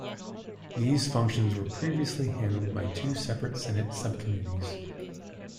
These functions were previously handled by two separate Senate subcommittees.